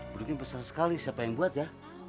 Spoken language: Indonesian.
produknya besar sekali siapa yang buat ya